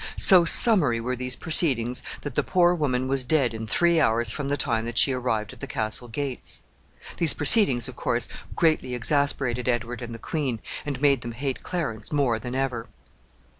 So summary were these proceedings, that the poor woman was dead in three hours from the time that she arrived at the castle gates. These proceedings, of course, greatly exasperated Edward and the queen, and made them hate Clarence more than ever.